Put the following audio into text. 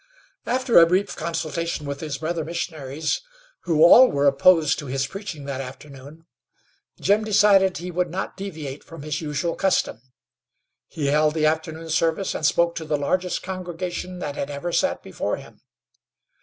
After a brief consultation with his brother missionaries, who all were opposed to his preaching that afternoon, Jim decided he would not deviate from his usual custom. He held the afternoon service, and spoke to the largest congregation that had ever sat before him.